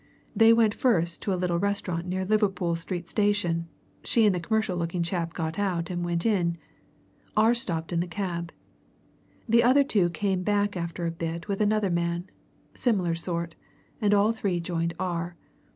They went first to a little restaurant near Liverpool Street Station she and the commercial looking chap got out and went in; R. stopped in the cab. The other two came back after a bit with another man similar sort and all three joined R.